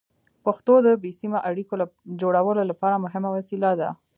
پښتو د بې سیمه اړیکو جوړولو لپاره مهمه وسیله ده.